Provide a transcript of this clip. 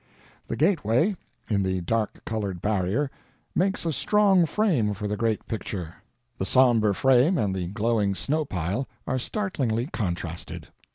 The gateway, in the dark colored barrier, makes a strong frame for the great picture. The somber frame and the glowing snow pile are startlingly contrasted.